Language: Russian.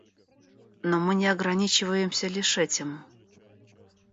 Но мы не ограничиваемся лишь этим.